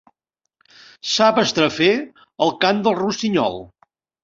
Sap estrafer el cant del rossinyol.